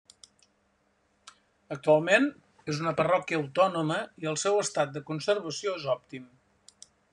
Actualment és una parròquia autònoma i el seu estat de conservació és òptim.